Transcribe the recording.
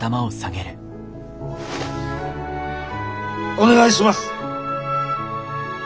お願いします。